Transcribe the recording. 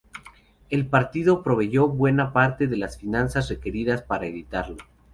El partido proveyó buena parte de las finanzas requeridas para editarlo.